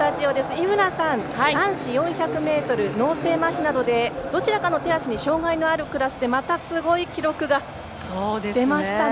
井村さん、男子４００ｍ脳性まひなどでどちらかの手足に障がいのあるクラスでまたすごい記録が出ましたね。